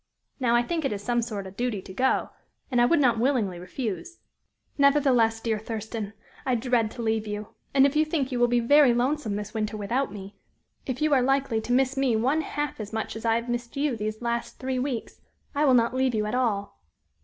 Now, I think it is some sort a duty to go, and I would not willingly refuse. Nevertheless, dear Thurston, I dread to leave you, and if you think you will be very lonesome this winter without me if you are likely to miss me one half as much as I have missed you these last three weeks, I will not leave you at all."